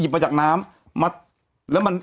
แต่หนูจะเอากับน้องเขามาแต่ว่า